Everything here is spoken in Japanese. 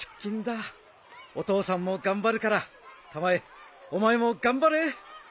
お父さんも頑張るからたまえお前も頑張れー！